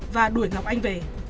và đuổi ngọc anh về